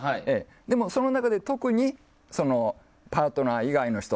でも、その中で特にパートナー以外の人。